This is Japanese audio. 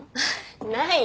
ないよ。